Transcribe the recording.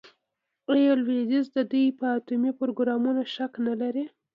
آیا لویدیځ د دوی په اټومي پروګرام شک نلري؟